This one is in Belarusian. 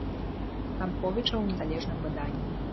Тамковіча ў незалежным выданні.